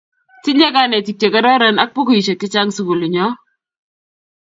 Tinye kanetik che kororon ak pukuisyek chechang' sukulit nyo